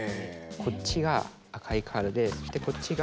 こっちが赤いカードでそしてこっちが。